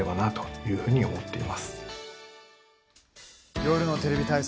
「夜のテレビ体操」